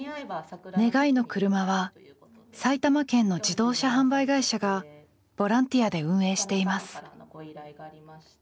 「願いのくるま」は埼玉県の自動車販売会社がボランティアで運営しています。